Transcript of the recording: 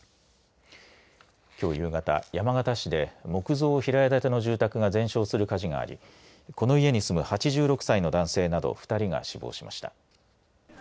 きょう夕方山形市で木造平屋建ての住宅が全焼する火事がありこの家に住む８６歳の男性など２人が死亡しました。